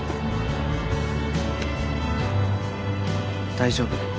大丈夫。